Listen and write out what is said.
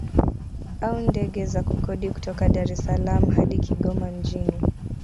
Au ndege za kukodi kutoka Dar es Salaam hadi Kigoma mjini